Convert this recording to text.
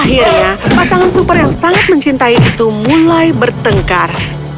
akhirnya pasangan super yang sangat mencintai itu mulai bertengkar